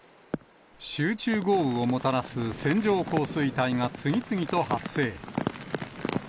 集中豪雨をもたらす線状降水帯が次々と発生。